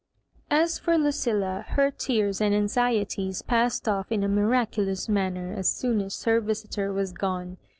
As for Lucilla, her tears and anxieties passed off in a miraculous manner as soon as her visitor was gone.